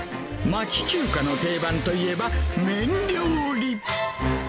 町中華の定番といえば、麺料理。